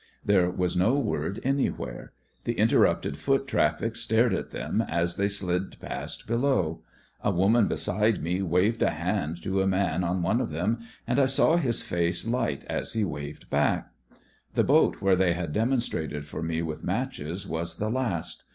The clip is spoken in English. There was no word anywhere. The inter rupted foot traffic stared at them as they slid past below. A woman beside me waved a hand to a man on one of them, and I saw his face light as he waved back. The boat where they had demonstrated for me with matches was the last.